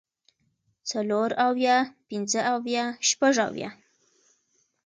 څلور اويه پنځۀ اويه شپږ اويه